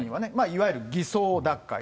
いわゆる偽装脱会。